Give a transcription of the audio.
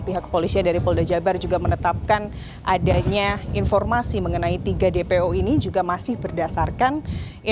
pihak kepolisian dari polda jabar juga menetapkan adanya informasi mengenai tiga dpo ini juga masih berdasarkan